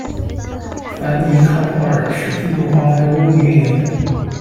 凡妮·卡浦尔是印度宝莱坞女演员。